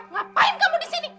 ngapain kamu disini